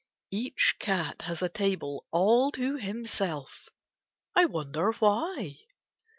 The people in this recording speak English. », Each eat has a table all to himself. I wonder why.